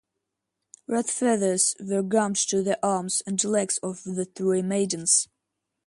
Red feathers were gummed to the arms and legs of the three maidens.